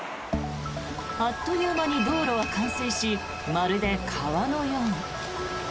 あっという間に道路は冠水しまるで川のように。